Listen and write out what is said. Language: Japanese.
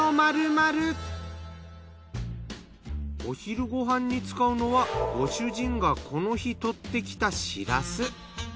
お昼ご飯に使うのはご主人がこの日獲ってきたシラス。